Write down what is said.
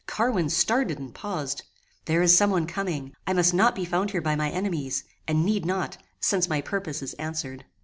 Carwin started and paused. "There is some one coming. I must not be found here by my enemies, and need not, since my purpose is answered."